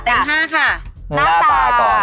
เต็ม๕ค่ะ